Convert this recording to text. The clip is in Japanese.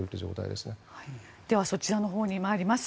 ではそちらのほうに参ります。